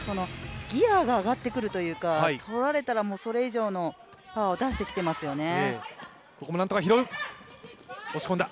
ギヤが上がってくるというか取られたらそれ以上のパワーを出してきていますよね。